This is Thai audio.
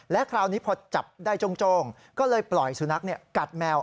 และคราวนี้พอจับได้โจ้งก็เลยปล่อยสุนัขกัดแมว